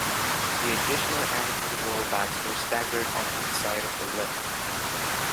The additional anti-rollbacks were staggered on each side of the lift.